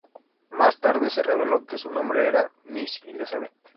Más tarde se reveló que su nombre era la Miss Elizabeth.